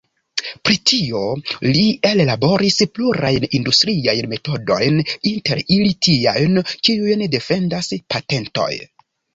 Pri tio li ellaboris plurajn industriajn metodojn, inter ili tiajn, kiujn defendas patentoj.